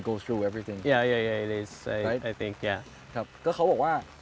คุณต้องเป็นผู้งาน